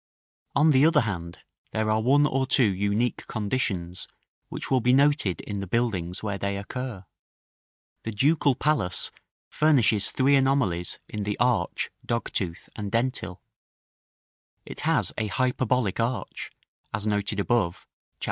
On the other hand, there are one or two unique conditions, which will be noted in the buildings where they occur. The Ducal Palace furnishes three anomalies in the arch, dogtooth, and dentil: it has a hyperbolic arch, as noted above, Chap.